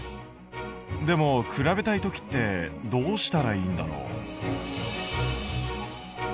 でも比べたい時ってどうしたらいいんだろう。